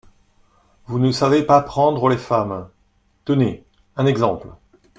Vous ne savez pas prendre les femmes … Tenez ! un exemple.